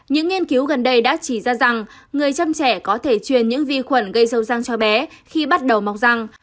những nghiên cứu gần đây đã chỉ ra rằng người chăm trẻ có thể truyền những vi khuẩn gây râu răng cho bé khi bắt đầu mọc rằng